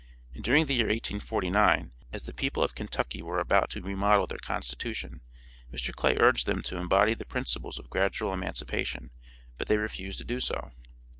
During the year 1849, as the people of Kentucky were about to remodel their constitution, Mr. Clay urged them to embody the principles of gradual emancipation, but they refused to do so.